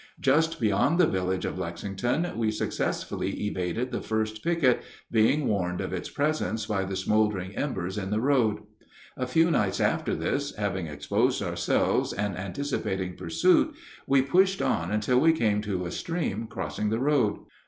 Just beyond the village of Lexington we successfully evaded the first picket, being warned of its presence by the smoldering embers in the road. A few nights after this, having exposed ourselves and anticipating pursuit, we pushed on until we came to a stream crossing the road.